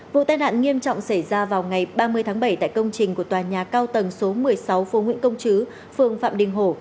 vụ tai nạn nghiêm trọng xảy ra vào ngày ba mươi tháng bảy tại công trình của tòa nhà cao tầng số một mươi sáu phố nguyễn công chứ phường phạm đình hổ